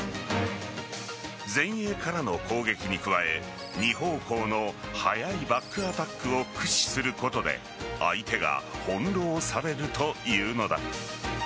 前衛からの攻撃に加え２方向の速いバックアタックを駆使することで相手が翻弄されるというのだ。